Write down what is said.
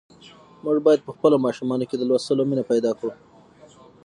موږ باید په خپلو ماشومانو کې د لوستلو مینه پیدا کړو.